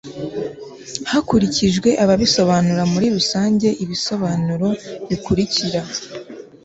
hakurikijwe ababisobanura Muri rusange ibisobanuro bikurikira